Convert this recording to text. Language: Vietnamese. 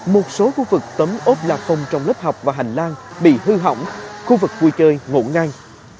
một số khu vực tấm ốp la không trong lớp học và hành lang bị hư hỏng khu vực vui chơi ngủ ngang